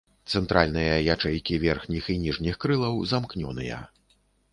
Цэнтральныя ячэйкі верхніх і ніжніх крылаў замкнёныя.